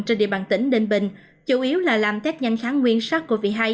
trên địa bàn tỉnh ninh bình chủ yếu là làm tết nhanh kháng nguyên sars cov hai